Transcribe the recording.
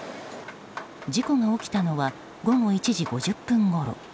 事故が起きたのは午後１時５０分ごろ。